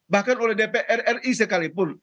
bahkan oleh dpr ri sekalipun